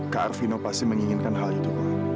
kak arvino pasti menginginkan hal itu